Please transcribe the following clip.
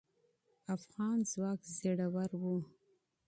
افغان ځواک زړور و